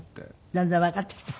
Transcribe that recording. だんだんわかってきた？